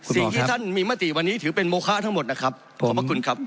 สิ่งที่ท่านมีมติวันนี้ถือเป็นโมคะทั้งหมดนะครับขอบพระคุณครับ